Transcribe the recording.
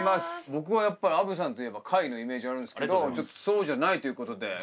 僕はやっぱりあぶさんといえば貝のイメージあるんですけどそうじゃないという事で。